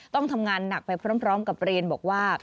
ต้องทำงานหนักไปพร้อมกับเรียนบอกว่า